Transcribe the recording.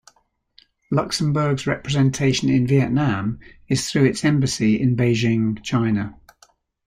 Luxembourg's representation in Vietnam is through its embassy in Beijing, China.